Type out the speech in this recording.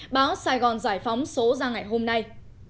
báo sài gòn giải phóng số ra ngày hôm nay